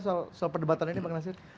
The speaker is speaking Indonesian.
soal perdebatan ini bang nasir